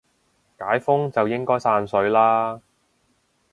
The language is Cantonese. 解封就應該散水啦